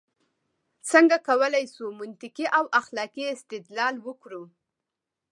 څنګه کولای شو منطقي او اخلاقي استدلال وکړو؟